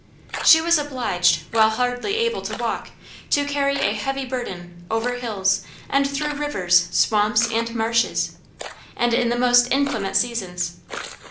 She was obliged, while hardly able to walk, to carry a heavy burden, over hills, and through rivers, swamps, and marshes; and in the most inclement seasons.